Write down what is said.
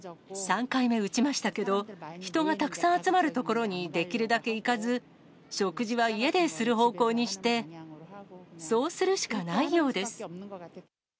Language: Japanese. ３回目打ちましたけど、人がたくさん集まる所にできるだけ行かず、食事は家でする方向にして、そうするしかないようです。